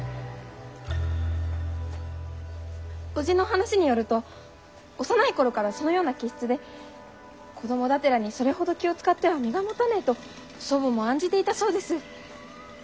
おじの話によると幼い頃からそのような気質で子供だてらにそれほど気を遣っては身がもたねぇと祖母も案じていたそうです。